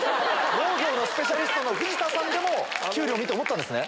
農業のスペシャリストの藤田さんでもキュウリを見て思ったんですね。